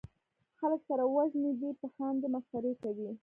خلک سره وژني دي پې خاندي مسخرې کوي